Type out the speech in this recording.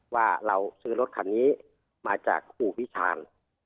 ว่าเราซื้อรถคันนี้มาจากครูพิชาญ